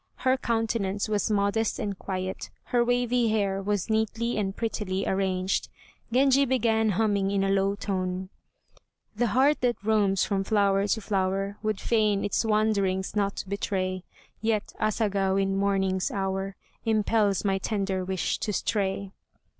Her countenance was modest and quiet; her wavy hair was neatly and prettily arranged. Genji began humming in a low tone: "The heart that roams from flower to flower, Would fain its wanderings not betray, Yet 'Asagao,' in morning's hour, Impels my tender wish to stray."